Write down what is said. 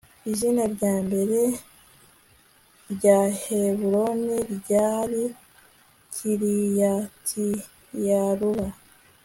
izina rya mbere rya heburoni ryari kiriyatiaruba